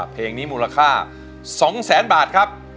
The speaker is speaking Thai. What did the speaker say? เพลงนี้มูลค่า๒แสนบาทครับ